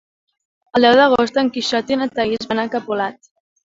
El deu d'agost en Quixot i na Thaís van a Capolat.